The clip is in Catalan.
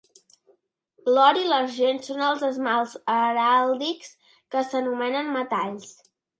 L'or i l'argent són els esmalts heràldics que s'anomenen metalls.